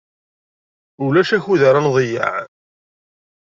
Ulac akud ara nḍeyyeɛ.